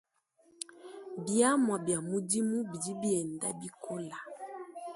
Biamu bia mudimu bidi bienda bikola.